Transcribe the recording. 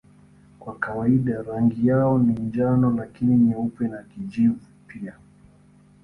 Kwa kawaida rangi yao ni njano lakini nyeupe na kijivu pia.